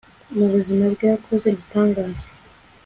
mu buzima bwe yakoze ibitangaza